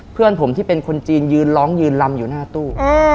เพื่อนผมที่เป็นคนจีนยืนร้องยืนลำอยู่หน้าตู้